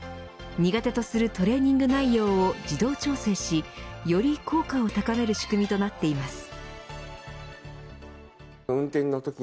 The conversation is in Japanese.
苦手とするトレーニング内容を自動調整しより効果を高める仕組みとなっています。